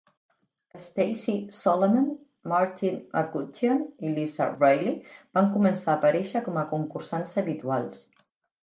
Stacey Solomon, Martine McCutcheon i Lisa Riley van començar a aparèixer com a concursants habituals.